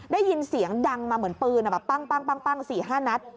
ได้ยินเสียงดังมาเหมือนปืนปั้ง๔๕นัด